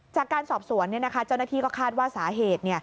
จากการสอบสวนเจ้าหน้าที่ก็คาดว่าสาเหตุ